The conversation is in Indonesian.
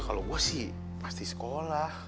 kalau gue sih pasti sekolah